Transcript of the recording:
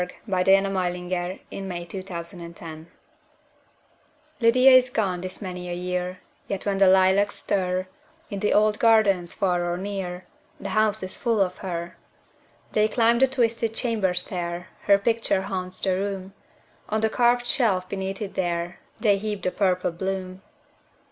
Lizette Woodworth Reese Lydia is gone this many a year LYDIA is gone this many a year, Yet when the lilacs stir, In the old gardens far or near, The house is full of her. They climb the twisted chamber stair; Her picture haunts the room; On the carved shelf beneath it there, They heap the purple bloom.